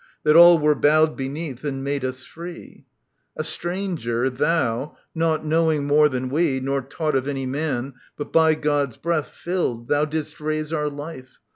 That all were bowed beneath, and made us free. A stranger, thou, naught knowing more than we. Nor taught of any man, but by God's breath Filled, thou didst raise our life.